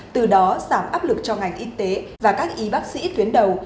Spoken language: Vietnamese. từ đó giảm áp lực cho ngành y tế và các y bác sĩ tuyến đầu